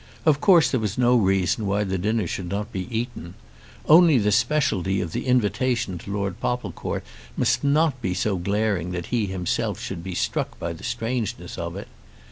Of course there was no reason why the dinner should not be eaten. Only the speciality of the invitation to Lord Popplecourt must not be so glaring that he himself should be struck by the strangeness of it.